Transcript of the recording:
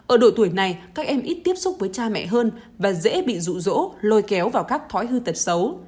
ở độ tuổi này các em ít tiếp xúc với cha mẹ hơn và dễ bị rụ rỗ lôi kéo vào các thói hư tật xấu